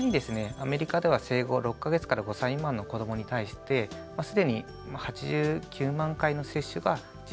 アメリカでは生後６か月５歳未満の子どもに対して既に８９万回の接種が実施されています。